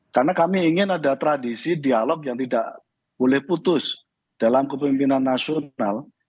karena kami ingin ada tradisi dialog yang tidak boleh putus dalam kepemimpinan nasional